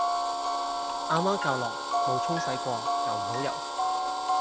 阿媽教落冇沖洗過又唔好游